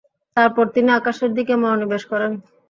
তারপর তিনি আকাশের দিকে মনোনিবেশ করেন।